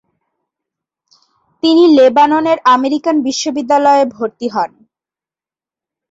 তিনি লেবাননের আমেরিকান বিশ্ববিদ্যালয়ে ভর্তি হন।